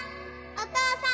・お父さん！